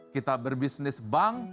kita berbisnis bank